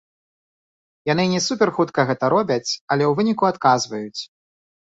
Яны не суперхутка гэта робяць, але ў выніку адказваюць.